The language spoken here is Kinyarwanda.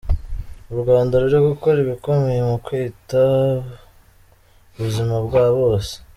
U Rwanda ruri gukora ibikomeye mu kwita buzima bwa bose.